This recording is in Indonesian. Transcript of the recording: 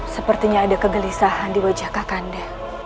sepertinya ada kegelisahan di wajah kakanda